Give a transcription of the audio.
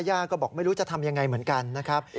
ย่าก็บอกไม่รู้จะทำยังไงเหมือนกันนะครับ